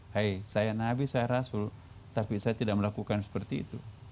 hei saya nabi saya rasul tapi saya tidak melakukan seperti itu